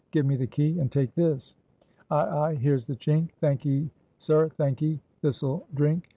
Give me the key, and take this." "Ay, ay! here's the chink! Thank'ee sir, thank'ee. This'll drink.